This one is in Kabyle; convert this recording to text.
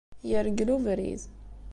Yergel ubrid.